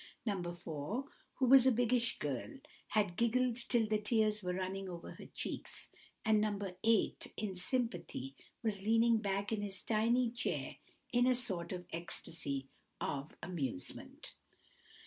No. 4, who was a biggish girl, had giggled till the tears were running over her cheeks; and No. 8, in sympathy, was leaning back in his tiny chair in a sort of ecstasy of amusement.